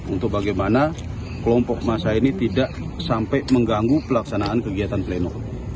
untuk bagaimana kelompok masa ini tidak sampai mengganggu pelaksanaan kegiatan pleno